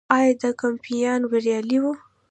آیا دا کمپاین بریالی و؟